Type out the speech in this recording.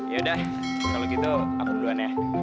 yaudah kalau gitu aku duluan ya